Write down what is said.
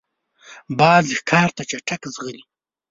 باز ښکار ته چټک ځغلي